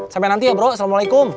sampai nanti ya bro assalamualaikum